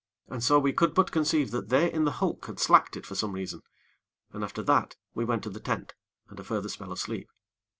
And so we could but conceive that they in the hulk had slacked it for some reason; and after that we went to the tent and a further spell of sleep.